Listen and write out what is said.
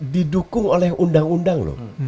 didukung oleh undang undang loh